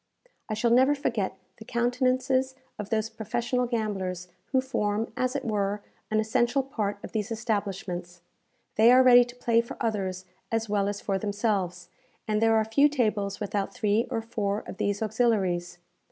I shall never forget the countenances of those professional gamblers who form, as it were, an essential part of these establishments. They are ready to play for others as well as for themselves, and there are few tables without three or four of these auxiliaries.